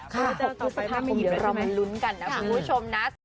๖พฤษภาคมเดี๋ยวเรามาลุ้นกันนะคุณผู้ชมนะ